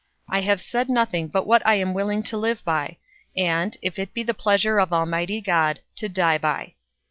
I have said nothing but what I am willing to live by, and, if it be the pleasure of Almighty God, to die by."